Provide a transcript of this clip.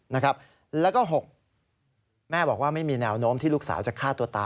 นะครับและก็หก